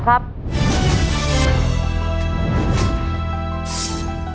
ตัวเลือกที่หนึ่ง๔จังหวัด